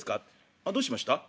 「あどうしました？」。